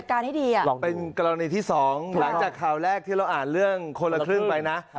เป็นกรณีที่สองหลังจากข่าวแรกที่เราอ่านเรื่องคนละครึ่งไปนะ